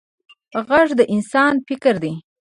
غږ د انسان فکر دی